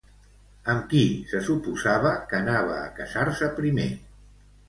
Amb qui se suposava que anava a casar-se primer?